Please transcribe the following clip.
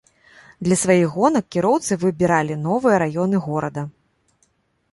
Для сваіх гонак кіроўцы выбіралі новыя раёны горада.